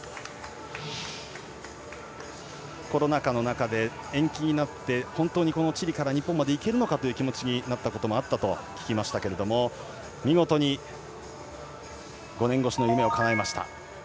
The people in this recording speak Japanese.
コロナ禍の中で延期になって本当にチリから日本まで行けるのかという気持ちになったこともあったと聞きましたけども見事に５年越しの夢をかなえました。